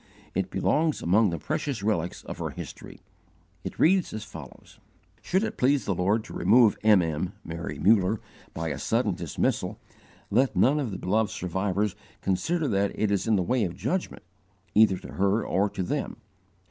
It belongs among the precious relics of her history. It reads as follows: "Should it please the Lord to remove M. M. [Mary Muller] by a sudden dismissal, let none of the beloved survivors consider that it is in the way of judgment, either to her or to them.